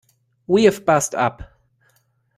We've bust up.